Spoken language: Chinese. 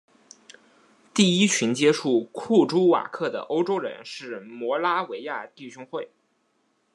第一群接触库朱瓦克的欧洲人是摩拉维亚弟兄会。